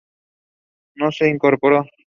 No se incorporó.